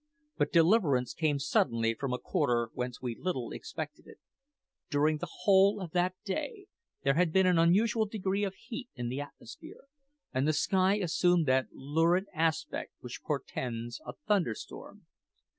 But deliverance came suddenly from a quarter whence we little expected it. During the whole of that day there had been an unusual degree of heat in the atmosphere, and the sky assumed that lurid aspect which portends a thunderstorm.